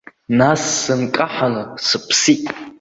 Нас сынкаҳаны сыԥсит.